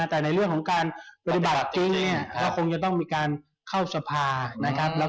แต่ในเรื่องของการปฏิบัติจริงเนี่ยก็คงจะต้องมีการเข้าสภานะครับ